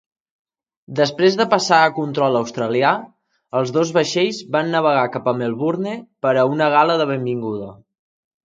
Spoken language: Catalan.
Després de passar a control australià, els dos vaixells van navegar cap a Melbourne per a una gala de benvinguda.